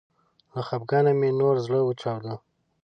له خفګانه مې نور زړه وچاوده